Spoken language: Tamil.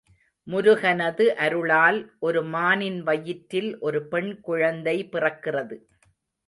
முருகனது அருளால் ஒரு மானின் வயிற்றில் ஒரு பெண் குழந்தை பிறக்கிறது.